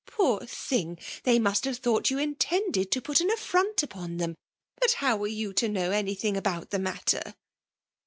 '' Poor thing ! They must have thought you intended to put an affront upon them. But how were you to know anything about the matter